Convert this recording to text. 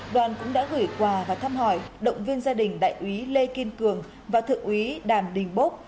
đoàn cũng đã gửi quà và thăm hỏi động viên gia đình đại úy lê kiên cường và thượng úy đàm đình bốp